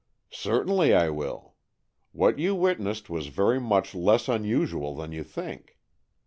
" Certainly I will. What you witnessed was very much less unusual than you think.